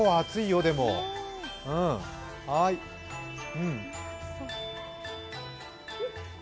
うん！